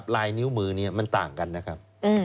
ลายนิ้วมือนี้มันต่างกันนะครับ